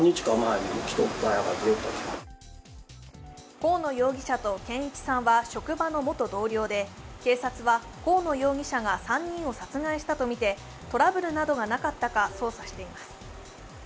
河野容疑者と健一さんは職場の元同僚で、警察は河野容疑者が３人を殺害したとみてトラブルなどがなかったか捜査しています。